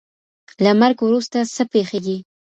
له مرګ وروسته څه پیښیږي؟